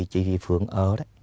chị vị phượng ở đó